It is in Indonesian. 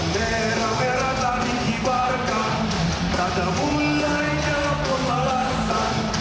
merah merah tak dihibarkan tak terbulannya pun alasan